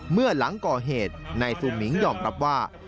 เมื่อหลังก่อเหตุนายซูมิงยอมรับว่า